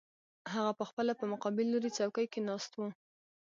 هغه پخپله په مقابل لوري څوکۍ کې ناست و